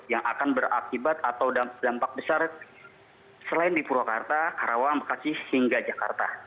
yang akan berakibat atau dampak besar selain di purwakarta karawang bekasi hingga jakarta